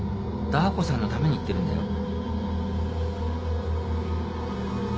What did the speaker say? ダー子さんのために言ってるんだよ。